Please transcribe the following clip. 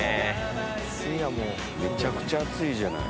めちゃくちゃ暑いじゃない。